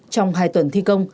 trong hai tuần thi công